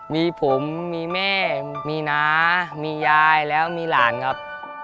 มีผมมีแม่มีน้ามียายแล้วมีหลานครับ